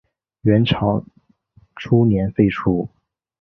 元朝初年废除。